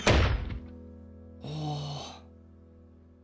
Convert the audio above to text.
ああ。